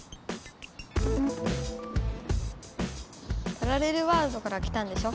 パラレルワールドから来たんでしょ。